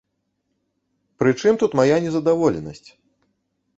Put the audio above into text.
Прычым тут мая незадаволенасць?